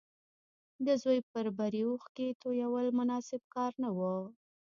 د زوی پر بري اوښکې تويول مناسب کار نه و